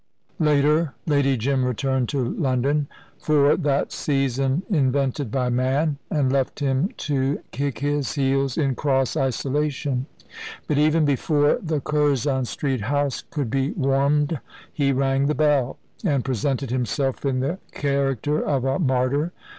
Later, Lady Jim returned to London, for that season invented by man, and left him to kick his heels in cross isolation. But, even before the Curzon Street house could be warmed, he rang the bell, and presented himself in the character of a martyr.